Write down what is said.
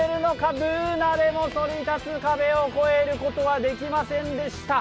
Ｂｏｏｎａでもそり立つ壁を越えることはできませんでした。